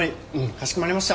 かしこまりました。